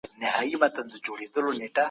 کله به نړیواله ټولنه قانون تایید کړي؟